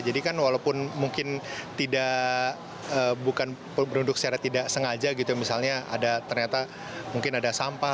kan walaupun mungkin tidak bukan penduduk secara tidak sengaja gitu misalnya ada ternyata mungkin ada sampah